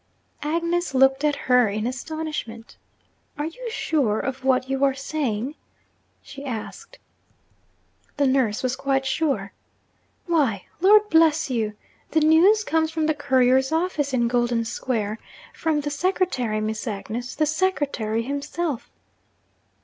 Agnes looked at her in astonishment. 'Are you sure of what you are saying?' she asked. The nurse was quite sure. 'Why, Lord bless you! the news comes from the couriers' office in Golden Square from the secretary, Miss Agnes, the secretary himself!'